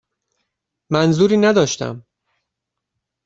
منظوری نداشتم.